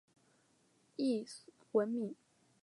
卒谥文敏。